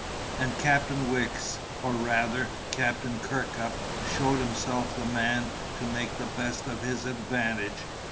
And Captain Wicks (or, rather, Captain Kirkup) showed himself the man to make the best of his advantage.